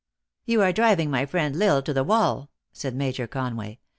You are driving my friend L Isle to the wall," said Major Conway.